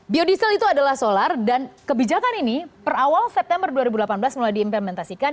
biodiesel itu adalah solar dan kebijakan ini per awal september dua ribu delapan belas mulai diimplementasikan